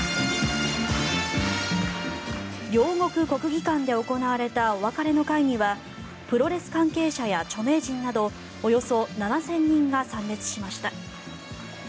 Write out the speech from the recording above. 両国国技館で行われたお別れの会にはプロレス関係者や著名人などおよそ７０００人が参列しました。